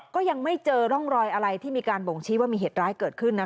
ก็ยังไม่เจอร่องรอยอะไรที่มีการบ่งชี้ว่ามีเหตุร้ายเกิดขึ้นนะคะ